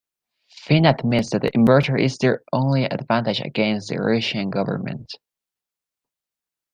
Finn admits that the Inverter is their only advantage against the Rutian government.